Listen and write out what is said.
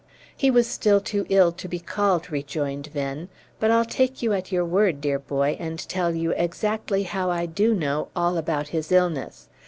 "He was still too ill to be called," rejoined Venn. "But I'll take you at your word, dear boy, and tell you exactly how I do know all about his illness.